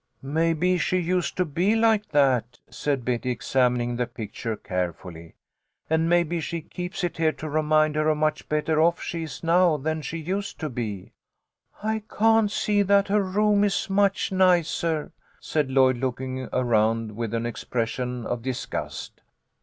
" Maybe she used to be like that," said Betty, examining the picture carefully, and maybe she keeps it here to remind her how much better off she is now than she used to be." " I can't see that her room is much nicer," said Lloyd, looking around with an expression of disgust.